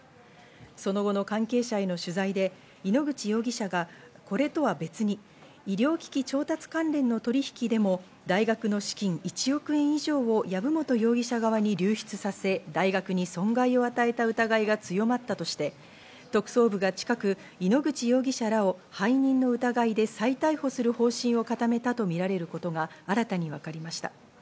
その後の関係者への取材で、井ノ口容疑者がこれとは別に、医療機器調達関連の取引でも大学の資金１億円以上を籔本容疑者側に流出させ、大学に損害を与えた疑いが強まったとして、特捜部が近く井ノ口容疑者らを背任の疑いで再逮捕する方針を固めたとみられることが新たに分かりました。